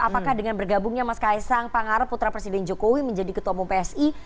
apakah dengan bergabungnya mas kaisang pak nggak potatoar presiden jokowi menjadi ketua umum psi